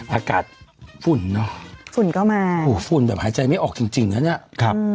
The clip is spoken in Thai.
อากาศฝุ่นเนอะฝุ่นก็มาถูกฝุ่นแบบหายใจไม่ออกจริงจริงนะเนี้ยครับ